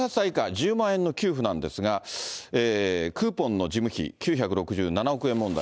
１０万円の給付なんですが、クーポンの事務費９６７億円問題。